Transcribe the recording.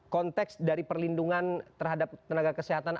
konteks dari perlindungan terhadap tenaga kesehatan